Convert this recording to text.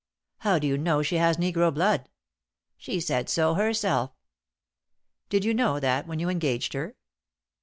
"How do you know she has negro blood?" "She said so herself." "Did you know that when you engaged her?"